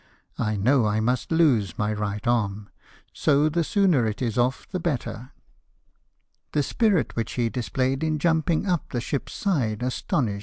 I know I must lose my right arm ; so the sooner it is off the better.""^ The spirit which he displayed in jumping up the ship's side astonished everybody.